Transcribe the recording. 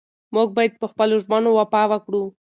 موږ باید په خپلو ژمنو وفا وکړو.